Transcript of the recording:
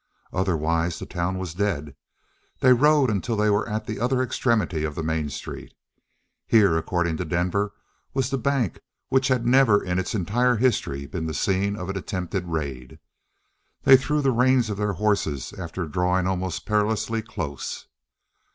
Otherwise the town was dead. They rode until they were at the other extremity of the main street. Here, according to Denver, was the bank which had never in its entire history been the scene of an attempted raid. They threw the reins of their horses after drawing almost perilously close.